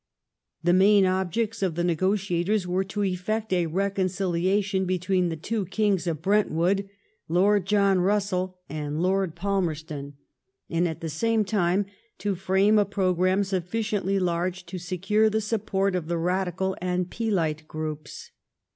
The main objects of the negotiators were to effect a reconciliation between the two kings of Brentwood, Lord John Bussell and Lord Palmerston, and at the same time to frame a pro gramme sufficiently large to secure the support of the Radical and Peelite groups.